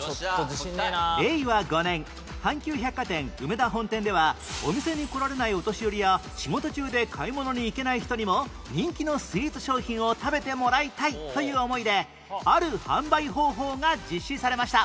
令和５年阪急百貨店うめだ本店ではお店に来られないお年寄りや仕事中で買い物に行けない人にも人気のスイーツ商品を食べてもらいたいという思いである販売方法が実施されました